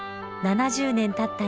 ７０年たった